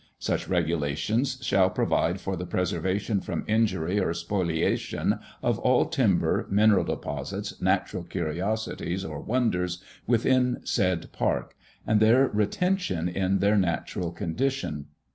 Such regulations shall provide for the preservation from injury or spoliation of all timber, mineral deposits, natural curiosities, or wonders within said park, and their retention in their natural condition.